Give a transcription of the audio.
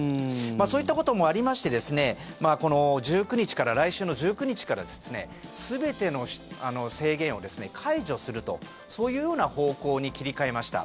そういったこともありまして来週の１９日から全ての制限を解除するとそういう方向に切り替えました。